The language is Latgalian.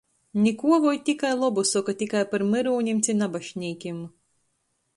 Nikuo voi tikai lobu soka tikai par myrūnim ci nabašnīkim.